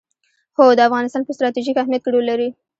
هوا د افغانستان په ستراتیژیک اهمیت کې رول لري.